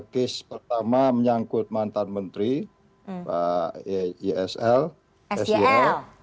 case pertama menyangkut mantan menteri pak ysl sel